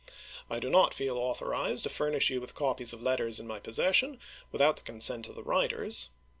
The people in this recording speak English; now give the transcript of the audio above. I do not feel authorized to furnish you with copies of letters in my possession, without the consent of the writers.